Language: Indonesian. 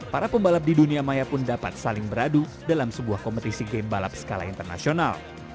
para pembalap di dunia maya pun dapat saling beradu dalam sebuah kompetisi game balap skala internasional